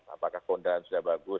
apakah kondasi sudah bagus